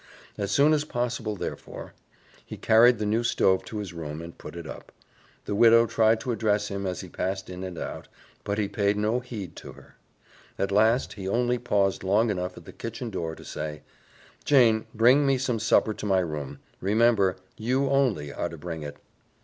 As soon as possible, therefore, he carried the new stove to his room and put it up. The widow tried to address him as he passed in and out, but he paid no heed to her. At last, he only paused long enough at the kitchen door to say, "Jane, bring me some supper to my room. Remember, you only are to bring it."